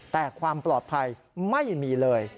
แต่ความปลอดภัยไม่มีเลย